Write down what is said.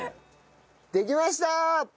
できました！